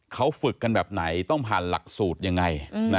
เขาฝึกกันแบบไหนต้องผ่านหลักสูตรยังไง